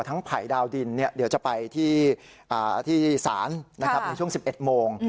ทั้งภัยดาวดินก็จะไปที่ศาลช่วง๑๑โมง